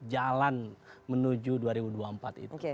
jalan menuju dua ribu dua puluh empat itu